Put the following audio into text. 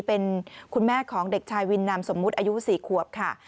เป็นคุณแม่ของเด็กชายวินนามสมมุติอายุ๔ขวบค่ะ